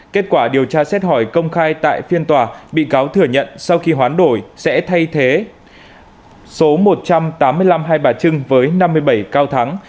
kết quả điều tra xét hỏi công khai tại phiên tòa bị cáo thừa nhận sau khi hoán đổi sẽ thay thế số một trăm tám mươi năm hai bà trưng với năm mươi bảy cao thắng